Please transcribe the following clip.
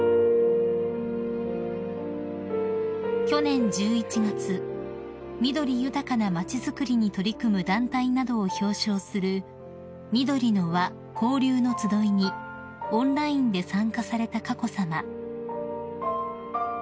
［去年１１月緑豊かな町づくりに取り組む団体などを表彰する「みどりの『わ』交流のつどい」にオンラインで参加された佳子さま］